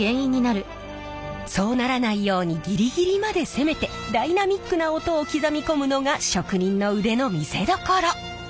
そうならないようにギリギリまで攻めてダイナミックな音を刻み込むのが職人の腕の見せどころ。